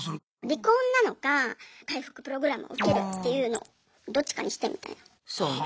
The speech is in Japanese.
離婚なのか回復プログラムを受けるっていうのどっちかにしてみたいな。